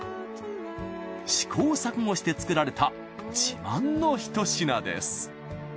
試行錯誤して作られた自慢のひと品です。